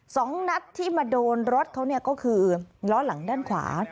สองนัดที่มาโดนรถเขาเนี่ยก็คือล้อหลังด้านขวา